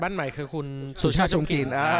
บ้านใหม่คือคุณสุชาติชมกิน